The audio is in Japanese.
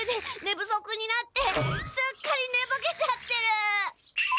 ぶそくになってすっかりねぼけちゃってる！